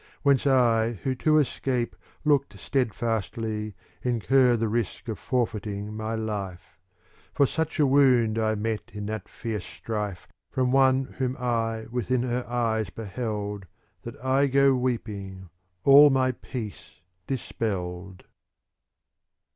Whence I who, to escape, looked steadfastly, ^ Incur the risk of forfeiting my life; For such a wound I met in that fierce strife From one whom I within her eyes beheld. That I go weeping, all my peace dispelled.